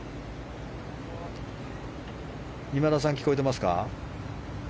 今田さん、聞こえてますか。